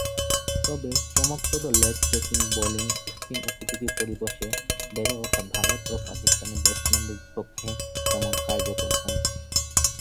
তবে, চমকপ্রদ leg break bowling spin উপযোগী পরিবেশে বেড়ে ওঠা ভারত ও পাকিস্তানি ব্যাটসম্যানদের বিপক্ষে তেমন কার্যকর হয়নি।